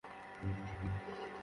এটার দাম কত জানো?